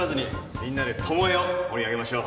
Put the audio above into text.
みんなで巴を盛り上げましょう。